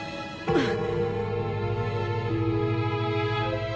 うん。